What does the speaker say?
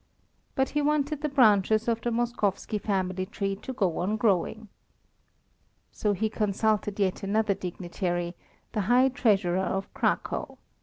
But he wanted the branches of the Moskowski family tree to go on growing. So he consulted yet another dignitary, the High Treasurer of Cracow.